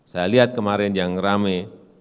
saya lihat kemarin yang rame